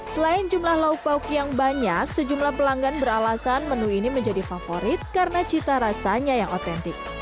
selain jumlah lauk lauk yang banyak sejumlah pelanggan beralasan menu ini menjadi favorit karena cita rasanya yang otentik